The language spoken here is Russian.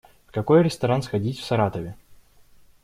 В какой ресторан сходить в Саратове?